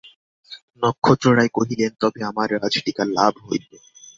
নক্ষত্ররায় কহিলেন, তবে আমার রাজটিকা লাভ হইবে!